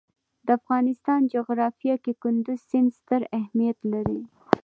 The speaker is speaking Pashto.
د افغانستان جغرافیه کې کندز سیند ستر اهمیت لري.